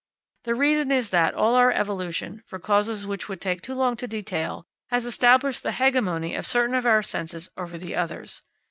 The reason is that all our evolution, for causes which would take too long to detail, has established the hegemony of certain of our senses over the others.